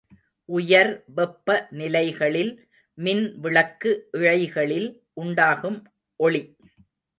உயர் வெப்ப நிலைகளில் மின் விளக்கு இழைகளில் உண்டாகும் ஒளி.